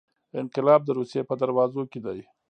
انقلاب د روسیې په دروازو کې دی.